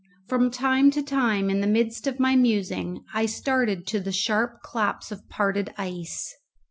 From time to time, in the midst of my musing, I started to the sharp claps of parted ice.